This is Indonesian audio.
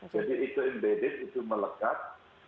jadi itu embedded itu melekat